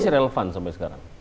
masih relevan sampai sekarang